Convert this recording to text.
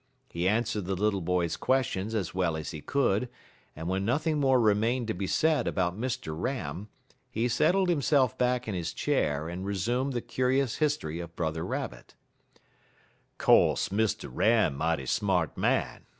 He answered the little boy's questions as well as he could, and, when nothing more remained to be said about Mr. Ram, he settled himself back in his chair and resumed the curious history of Brother Rabbit: "Co'se Mr. Ram mighty smart man.